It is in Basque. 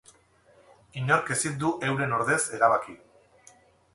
Inork ezin du euren ordez erabaki.